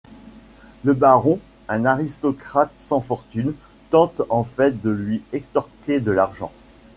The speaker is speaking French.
Le Baron, un aristocrate sans fortune, tente en fait de lui extorquer de l’argent.